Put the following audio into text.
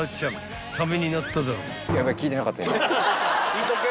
聞いとけ！